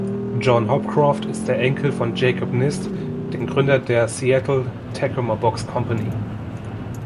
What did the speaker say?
John Hopcroft ist der Enkel von Jacob Nist, dem Gründer der Seattle-Tacoma Box Company.